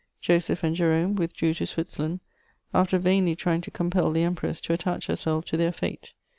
Joseph and Jerome withdrew to Switzerland, after vainly trying to compel the Empress to attach herself to their fate.